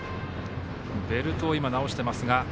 ベルトを直しています。